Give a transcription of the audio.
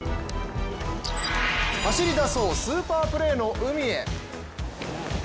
走りだそうスーパープレーの海へ。